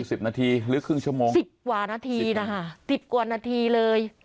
สิบนาทีหรือครึ่งชั่วโมงสิบกว่านาทีนะคะสิบกว่านาทีเลย